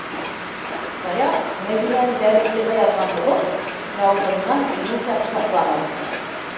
Саяф, Мәҙинәне бәреп йыға яҙған булып, яурынынан еңелсә ҡосаҡланы: